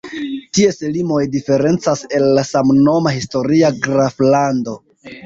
Ties limoj diferencas el la samnoma historia graflando.